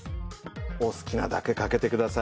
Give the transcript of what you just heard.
お好きなだけかけてください。